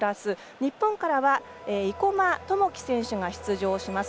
日本からは生馬知季選手が出場します。